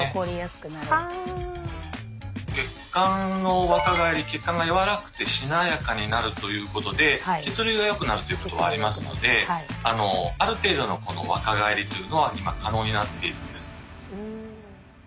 血管の若返り血管が柔らかくてしなやかになるということで血流がよくなるということはありますのである程度の若返りというのは今可能になっているんです。